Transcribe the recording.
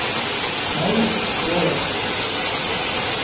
Мыйык — ӧрыш.